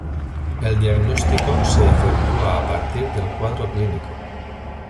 El diagnóstico se efectúa a partir del cuadro clínico.